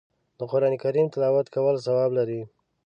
د قرآن کریم تلاوت کول ثواب لري